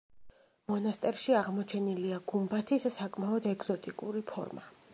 მონასტერში აღმოჩენილია გუმბათის საკმაოდ ეგზოტიკური ფორმა.